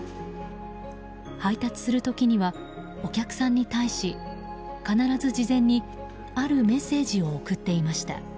配達する時には、お客さんに対し必ず事前にあるメッセージを送っていました。